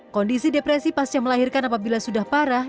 kondisi depresi pasca melahirkan apabila sudah parah